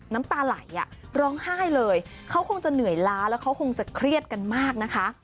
น้ำตาไหลร้องไห้เลยเขาคงจะเหนื่อยล้าแล้วเขาคงจะเครียดกันมากนะคะ